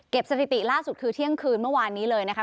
สถิติล่าสุดคือเที่ยงคืนเมื่อวานนี้เลยนะคะ